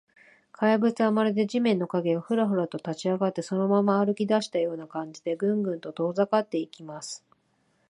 怪物は、まるで地面の影が、フラフラと立ちあがって、そのまま歩きだしたような感じで、グングンと遠ざかっていきます。